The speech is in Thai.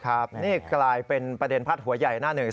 นี่กลายเป็นประเด็นพาดหัวใหญ่หน้าหนึ่ง